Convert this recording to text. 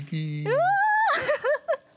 うわ。